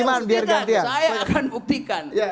saya akan buktikan